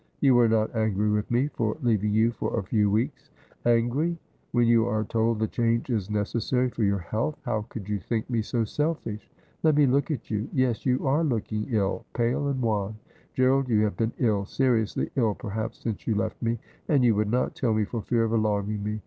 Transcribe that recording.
' You are not angry with me for leaving you for a few weeks V ' Angry, when you are told the change is necessary for your health ! How could you think me so selfish ? Let me look at you. Yes ; you are looking ill — pale and wan. Gerald, you have been ill, seriously ill, perhaps, since j'ou left here, and you would not tell me for fear of alarming me.